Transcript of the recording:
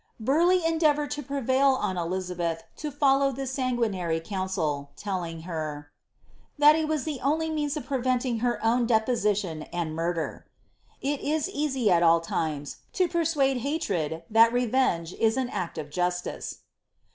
"' Rurleigh endeavoun prevail on Elizabeth to follow this sanguinary counsel, lelljna her, ' it was the only means of preventing her own deposition and mur It is easy at all limes to persuade haired that revenge ia an ai JDSlice.